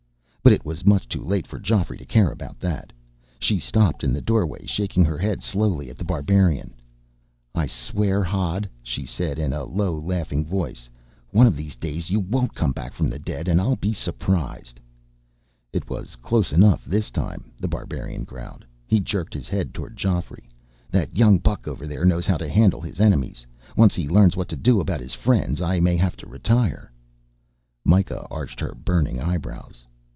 But it was much too late for Geoffrey to care about that. She stopped in the doorway, shaking her head slowly at The Barbarian. "I swear, Hodd," she said in a low, laughing voice, "one of these days you won't come back from the dead, and I'll be surprised." "It was close enough, this time," The Barbarian growled. He jerked his head toward Geoffrey. "That young buck over there knows how to handle his enemies. Once he learns what to do about his friends, I may have to retire." Myka arched her burning eyebrows.